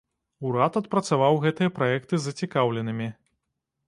Урад адпрацаваў гэтыя праекты з зацікаўленымі.